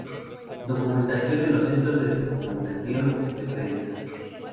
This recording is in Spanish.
Documentación en los centros de documentación de prensa.